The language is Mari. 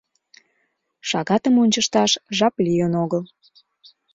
— Шагатым ончышташ жап лийын огыл...